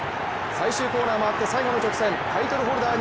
最終コーナー回って最後の直線タイトルホルダー